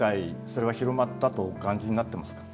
それは広まったとお感じになってますか？